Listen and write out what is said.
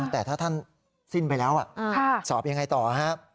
แต่ถ้าท่านสิ้นไปแล้วสอบยังไงต่อฮะ